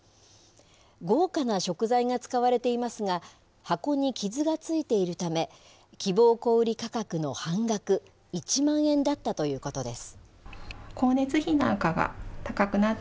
豪華な食材が使われていますが、箱に傷がついているため、希望小売り価格の半額、１万円だったということです。